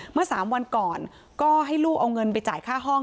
เมื่อ๓วันก่อนก็ให้ลูกเอาเงินไปจ่ายค่าห้อง